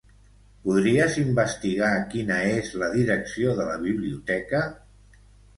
Podries investigar quina és la direcció de la biblioteca?